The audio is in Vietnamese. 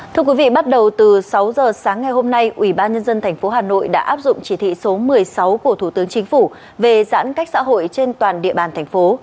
thưa quý vị bắt đầu từ sáu giờ sáng ngày hôm nay ủy ban nhân dân tp hà nội đã áp dụng chỉ thị số một mươi sáu của thủ tướng chính phủ về giãn cách xã hội trên toàn địa bàn thành phố